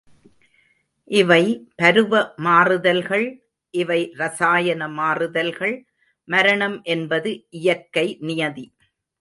இவை பருவ மாறுதல்கள் இவை ரசாயன மாறு தல்கள், மரணம் என்பது இயற்கை நியதி.